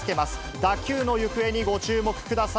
打球の行方にご注目ください。